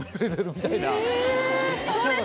みたいな？